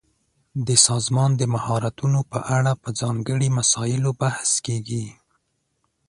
د سازمان د مهارتونو په اړه په ځانګړي مسایلو بحث کیږي.